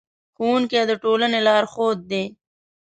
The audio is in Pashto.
ښوونکي د ټولنې لارښود دي.